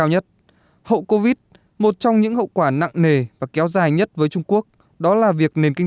hậu covid một trong những hậu quả nặng nề và kéo dài nhất với trung quốc đó là việc nền kinh